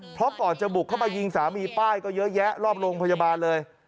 เพราะก่อนจะบุกเข้ามายิงสามีป้ายก็เยอะแยะรอบโรงพยาบาลเลย